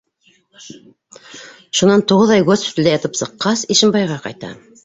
Шунан туғыҙ ай госпиталдә ятып сыҡҡас, Ишембайға ҡайта.